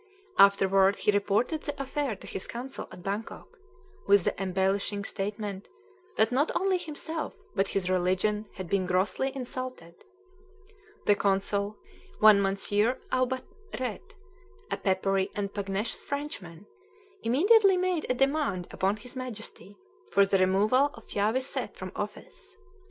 Afterward he reported the affair to his consul at Bangkok, with the embellishing statement that not only himself, but his religion, had been grossly insulted. The consul, one Monsieur Aubaret, a peppery and pugnacious Frenchman, immediately made a demand upon his Majesty for the removal of Phya Wiset from office.